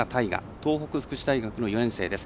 東北福祉大学の４年生です。